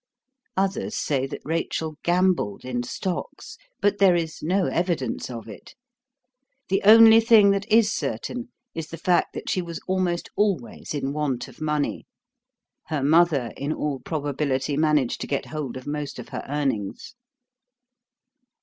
Others say that Rachel gambled in stocks, but there is no evidence of it. The only thing that is certain is the fact that she was almost always in want of money. Her mother, in all probability, managed to get hold of most of her earnings.